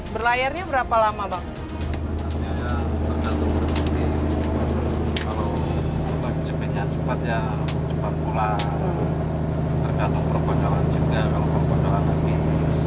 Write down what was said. kalau bagi cp nya cepat ya cepat pulang tergantung perponjolan juga kalau perponjolan lebih